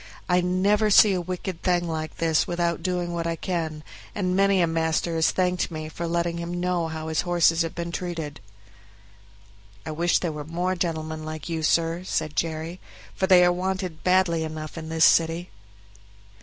I never see a wicked thing like this without doing what I can, and many a master has thanked me for letting him know how his horses have been used." "I wish there were more gentlemen like you, sir," said Jerry, "for they are wanted badly enough in this city."